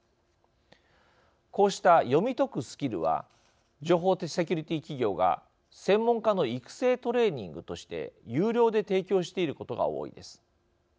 こうした読み解くスキルは情報セキュリティー企業が専門家の育成トレーニングとして有料で提供していることが多いです。